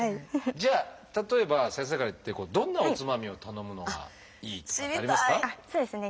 じゃあ例えば先生からどんなおつまみを頼むのがいいとかってありますか？